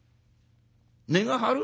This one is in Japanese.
「値が張る？